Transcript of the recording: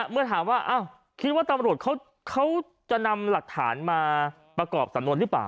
เมื่อถามว่าคิดว่าตำรวจเขาจะนำหลักฐานมาประกอบสำนวนหรือเปล่า